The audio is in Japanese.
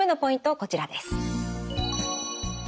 こちらです。